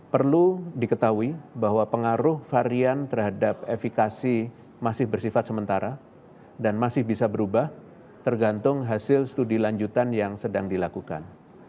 perlu diketahui bahwa pengaruh varian terhadap efikasi masih bersifat sementara dan masih bisa berubah tergantung hasil studi lanjutan yang sedang dilakukan